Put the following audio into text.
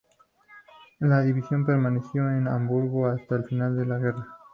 La división permaneció en Hamburgo hasta el final de la guerra.